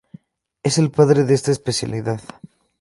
Es el padre de esta especialidad.